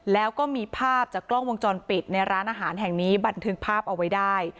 แล้วก็มีภาพจากกล้องวงจรปิดในร้านอาหารแห่งนี้บันทึกภาพเอาไว้ได้